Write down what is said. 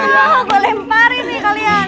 gue lemparin nih kalian